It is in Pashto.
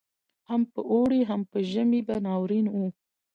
هم په اوړي هم په ژمي به ناورین وو